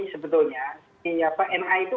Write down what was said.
sebetulnya ini apa n a itu